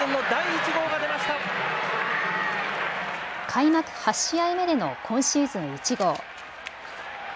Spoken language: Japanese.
開幕８試合目での今シーズン１号。